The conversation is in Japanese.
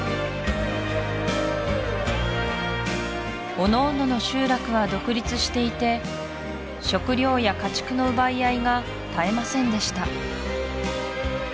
おのおのの集落は独立していて食料や家畜の奪い合いが絶えませんでした